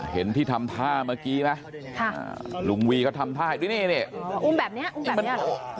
เห็นที่ทำท่าเมื่อกี้ไหมลุงวีก็ทำท่าด้วยนี่อุ้มแบบนี้อุ้มแบบนี้